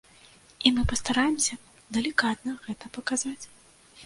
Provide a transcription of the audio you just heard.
І мы пастараемся далікатна гэта паказаць.